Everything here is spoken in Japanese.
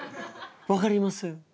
分かります。